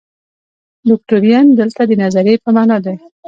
دوکتورین دلته د نظریې په معنا دی.